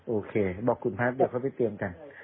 โอเคบอกคุณพระพระเดี๋ยวเขาไปเตรียมกัน